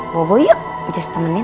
bobo yuk just temenin